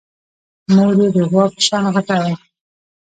مور يې د غوا په شان غټه وه.